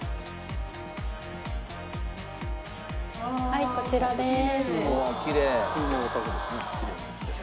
はいこちらです。